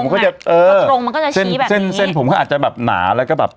แล้วผมเช่าตรงมันก็จะชี้แบบนี้เซ่นผมพวกเขาอาจจะแบบหนาแล้วก็แบบ